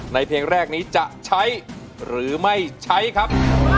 เพลงแรกนี้จะใช้หรือไม่ใช้ครับ